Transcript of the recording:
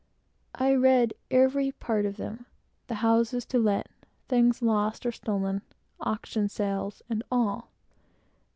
I read every part of them the houses to let; things lost or stolen; auction sales, and all.